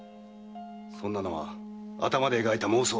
そんなのは頭で描いた妄想。